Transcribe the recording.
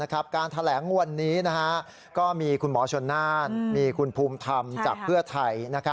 การแถลงวันนี้ก็มีคุณหมอชนน่านมีคุณภูมิธรรมจากเพื่อไทย